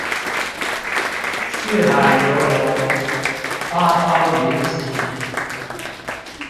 四海遊龍，八方雲集